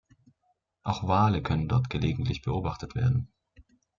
Auch Wale können dort gelegentlich beobachtet werden.